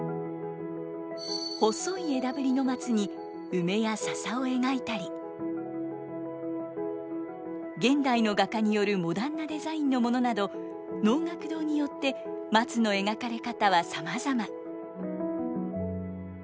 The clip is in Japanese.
細い枝ぶりの松に梅や笹を描いたり現代の画家によるモダンなデザインのものなど能楽堂によって松の描かれ方はさまざま。